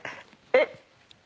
えっ？